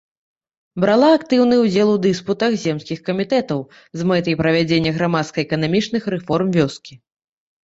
Брала актыўны ўдзел у дыспутах земскіх камітэтаў, з мэтай правядзення грамадска-эканамічных рэформ вёскі.